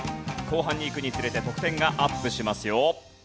後半にいくにつれて得点がアップしますよ。